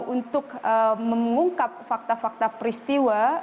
untuk mengungkap fakta fakta peristiwa